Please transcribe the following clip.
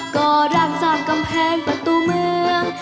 ก่อร่างสร้างกำแพงประตูเมือง